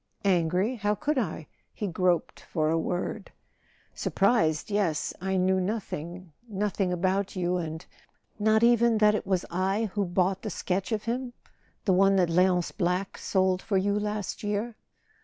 "Angry? How could I?" He groped for a word. "Surprised—yes. I knew nothing ... nothing about you and ..." "Not even that it was I who bought the sketch of him—the one that Leonce Black sold for you last year